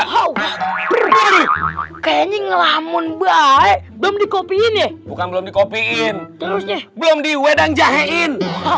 kayaknya ngelamun baik belum dikopiin ya bukan belum dikopiin belum diwedang jahein